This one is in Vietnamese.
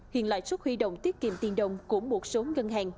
hiện lãi suất huy động tiết kiệm tiền đồng của một số ngân hàng